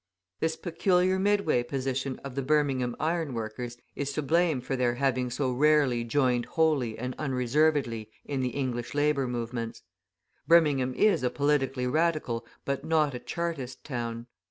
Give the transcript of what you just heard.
This peculiar midway position of the Birmingham iron workers is to blame for their having so rarely joined wholly and unreservedly in the English labour movements. Birmingham is a politically radical, but not a Chartist, town.